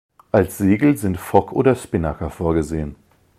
Als Segel sind Fock oder Spinnaker vorgesehen.